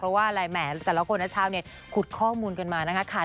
เพราะว่าไงแต่ละคนเช้าคุดข้อมูลกันมานะคะ